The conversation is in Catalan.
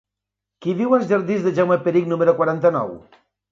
Qui viu als jardins de Jaume Perich número quaranta-nou?